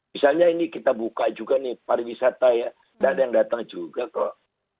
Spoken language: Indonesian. misalnya ini kita buka juga nih pariwisata ya nggak ada yang datang juga kok